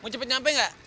mau cepet nyampe gak